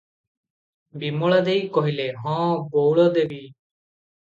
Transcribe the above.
ବିମଳା ଦେଈ କହିଲେ, "ହଁ ବଉଳ ଦେବି ।"